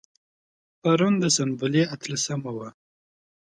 پرون د سنبلې اتلسمه وه.